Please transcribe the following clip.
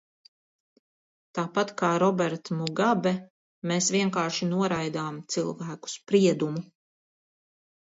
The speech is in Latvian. Tāpat kā Robert Mugabe mēs vienkārši noraidām cilvēku spriedumu.